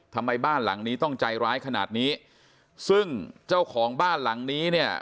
ทำไมบ้านหลังนี้ต้องใจร้ายขนาดนี้ซึ่งเจ้าของบ้านหลังนี้เนี่ย